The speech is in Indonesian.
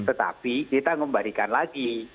tetapi kita ngembarikan lagi